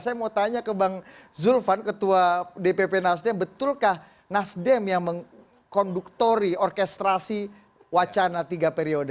saya mau tanya ke bang zulfan ketua dpp nasdem betulkah nasdem yang mengkonduktori orkestrasi wacana tiga periode